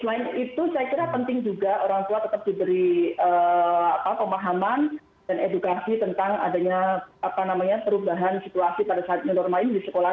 selain itu saya kira penting juga orang tua tetap diberi pemahaman dan edukasi tentang adanya perubahan situasi pada saat new normal ini di sekolah